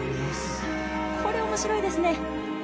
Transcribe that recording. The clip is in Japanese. これは面白いですね。